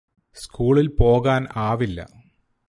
സ്കൂളില് പോകാൻ ആവില്ല